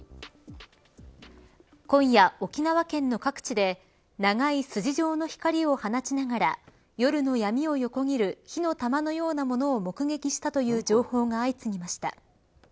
今夜、沖縄県の各地で長い筋状の光を放ちながら夜の闇を横切る火の玉のようなものを目撃したという情報が相次ぎました。